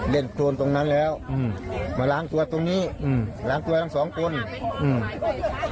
โทนตรงนั้นแล้วอืมมาล้างตัวตรงนี้อืมล้างตัวทั้งสองคนอืม